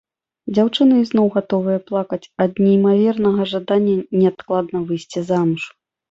Дзяўчыны ізноў гатовыя плакаць ад неймавернага жадання неадкладна выйсці замуж.